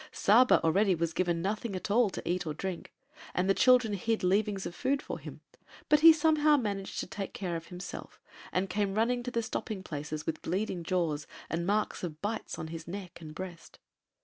Saba already was given nothing at all to eat or drink, and the children hid leavings of food for him, but he somehow managed to take care of himself and came running to the stopping places with bleeding jaws and marks of bites on his neck and breast.